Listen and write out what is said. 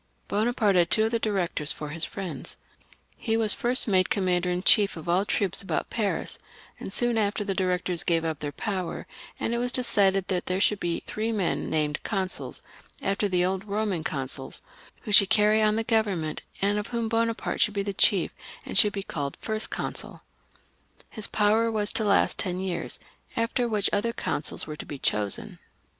Bonaparte had two of the Directors for his friends ; he was first made commander in chief of all the troops about Paris, and soon after the Directors gave up their power, and it was settled that there should be three men named Consuls, after the old Eoman consuls, who should carry on the Government, and of whomBonaparte should be the chief, and should be called First Consul His power was to last for ten years, after which other consuls were to be chosen.